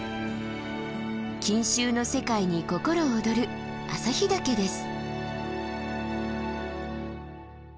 錦繍の世界に心躍る朝日岳です。